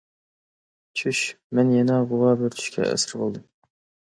چۈش. مەن يەنە غۇۋا بىر چۈشكە ئەسىر بولدۇم.